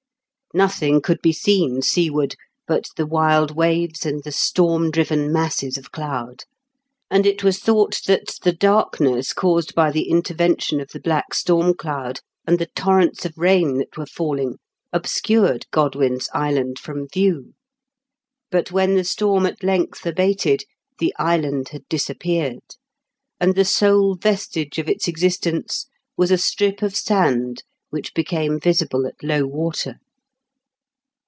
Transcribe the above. Nothing could be seen seaward but the wild waves and the storm driven masses of cloud,, and it was thought that the darkness caused by the intervention of the black storm cloud and the torrents of rain that were falling obscured Godwin's Island from view; but when the storm at length abated the island had disappeared, and the sole vestige of its existence was a strip of sand which became visible at low water.